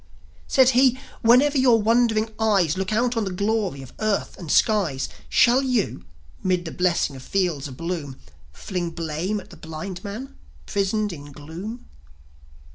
Said he: "Whenever your wondering eyes Look out on the glory of earth and skies, Shall you, 'mid the blessing of fields a bloom, Fling blame at the blind man, prisoned in gloom?"